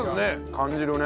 感じるね。